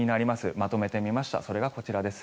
まとめてみましたそれがこちらです。